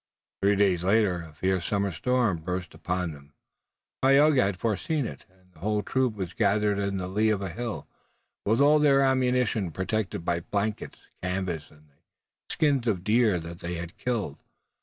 Three days later a fierce summer storm burst upon them. Tayoga had foreseen it, and the whole troop was gathered in the lee of a hill, with all their ammunition protected by blankets, canvas and the skins of deer that they had killed.